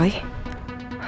bakal ada masalah